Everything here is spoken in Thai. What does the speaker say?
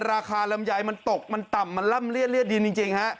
ราคาลำไยมันตกมันต่ำมันล่ำเลี่ยเรียดดินจริงฮะ